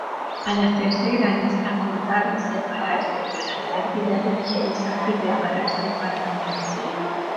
Al hacerse grandes, acordaron separarse para hacer vida religiosa y prepararse para la muerte.